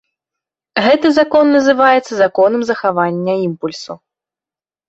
Гэты закон называецца законам захавання імпульсу.